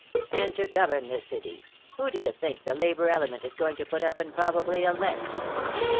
"And to govern this city, who do you think the labor element is going to put up and probably elect?